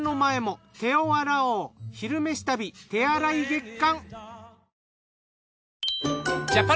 「昼めし旅」手洗い月間。